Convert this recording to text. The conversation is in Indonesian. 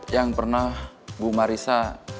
yang pernah bu marissa